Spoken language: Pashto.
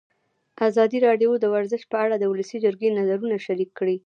ازادي راډیو د ورزش په اړه د ولسي جرګې نظرونه شریک کړي.